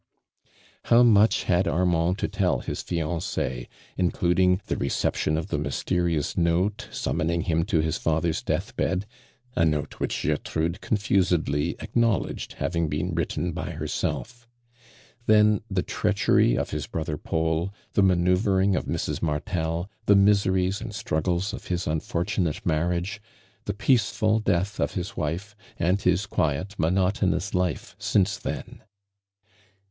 How much had Armand to tell his Jiancie, including the reception of the mysterious note summoning him to his father's death bed (o note which Gertrude confusedly acknowledged having been written by herself.) Then the treachery of liis bi other Paul — the manajuvering of Mrs. Martel, the miseries and struggles of his unfortunate marriage — the peaceful <leath of his wife, and his quiet monotonous life since then.